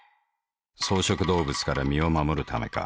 草食動物から身を護るためか。